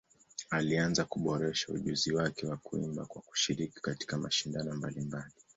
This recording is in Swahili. Alianza kuboresha ujuzi wake wa kuimba kwa kushiriki katika mashindano mbalimbali.